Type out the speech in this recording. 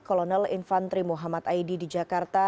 kolonel infantri muhammad aidi di jakarta